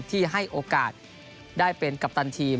ที่ให้โอกาสได้เป็นกัปตันทีม